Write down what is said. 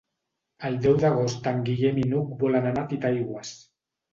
El deu d'agost en Guillem i n'Hug volen anar a Titaigües.